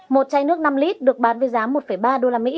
một chai nước năm lít được bán với giá một ba usd